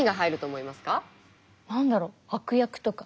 何だろう悪役とか。